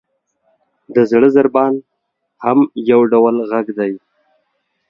• د زړه ضربان هم یو ډول ږغ دی.